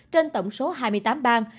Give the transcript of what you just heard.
trên tổng số hai mươi tám bang